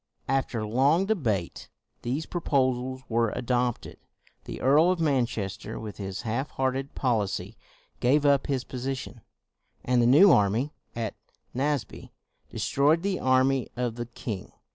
After long debate, these proposals were adopted: the Earl of Manchester with his half hearted policy gave up his position; and the new army, at Naseby, destroyed the army of the king.